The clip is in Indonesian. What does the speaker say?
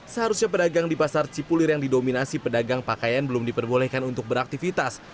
seharusnya pedagang di pasar cipulir yang didominasi pedagang pakaian belum diperbolehkan untuk beraktivitas